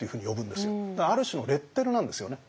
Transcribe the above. だからある種のレッテルなんですよね。